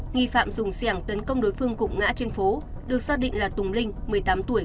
nghi phạm dùng xẻng tấn công đối phương cụng ngã trên phố được xác định là tùng linh một mươi tám tuổi